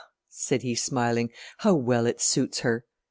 said he smiling, "how well it suits her!"